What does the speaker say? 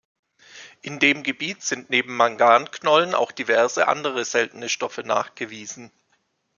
In dem Gebiet sind neben Manganknollen auch diverse andere seltene Stoffe nachgewiesen.